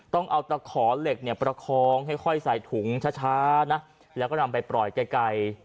ต้องเอาตะขอเหล็กเนี่ยประคองให้ค่อยใส่ถุงช้านะแล้วก็นำไปปล่อยไกล